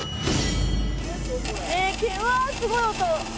うわすごい音。